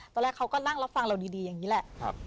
ตอนแรกเขาก็นั่งรับฟังเราดีอย่างนี้แหละ